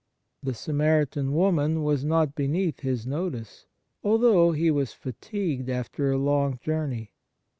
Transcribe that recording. The Samaritan woman was not beneath His notice, although He was fatigued after a long journey.